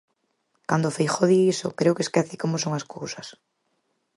Cando Feijóo di iso, creo que esquece como son as cousas.